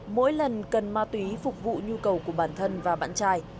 mỗi lần cần ma túy phục vụ nhu cầu của bản thân và bạn trai